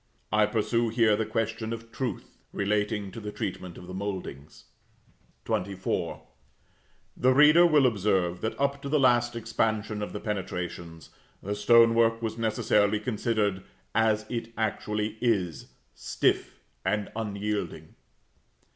I pursue here the question of truth, relating to the treatment of the mouldings. XXIV. The reader will observe that, up to the last expansion of the penetrations, the stone work was necessarily considered, as it actually is, stiff, and unyielding.